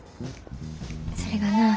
それがな